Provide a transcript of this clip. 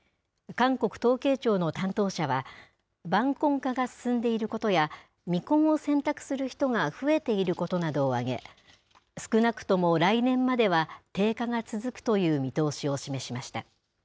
韓国統計庁の担当者は、晩婚化が進んでいることや、未婚を選択する人が増えていることなどを挙げ、少なくとも来年までは、低下が続くという見通しを示しました。